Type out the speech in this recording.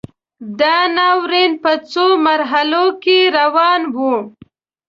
دا ناورین په څو مرحلو کې روان و.